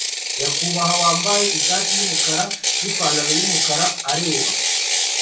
nyakubahwa wambaye ishati yumukara nipantaro yumukara areba